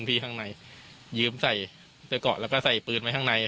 พี่ข้างในยืมใส่เสื้อเกาะแล้วก็ใส่ปืนไว้ข้างใน